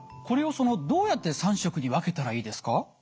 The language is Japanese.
これをそのどうやって３食に分けたらいいですか？